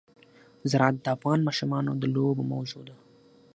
زراعت د افغان ماشومانو د لوبو موضوع ده.